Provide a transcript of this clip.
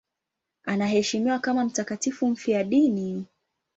Anaheshimiwa kama mtakatifu mfiadini.